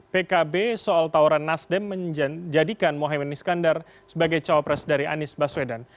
pkb soal tawaran nasdem menjadikan mohaimin iskandar sebagai cawapres dari anies baswedan